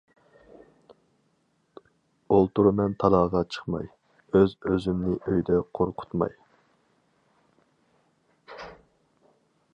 ئولتۇرىمەن تالاغا چىقماي، ئۆز ئۆزۈمنى ئۆيدە قورقۇتماي.